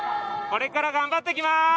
これから頑張ってきます。